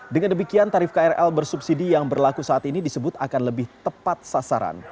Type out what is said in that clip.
dengan demikian tarif krl bersubsidi yang berlaku saat ini disebut akan lebih tepat sasaran